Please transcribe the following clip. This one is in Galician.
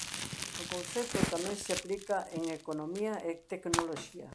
O concepto tamén se aplica en economía e tecnoloxía.